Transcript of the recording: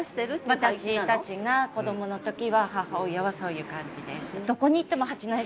私たちが子どもの時は母親はそういう感じでした。